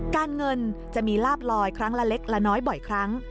การเงินจะมีลาบลอยครั้งละเล็กละน้อยบ่อยครั้ง